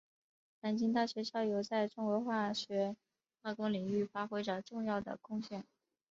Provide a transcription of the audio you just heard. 南京大学校友在中国化学化工领域发挥着重要的贡献。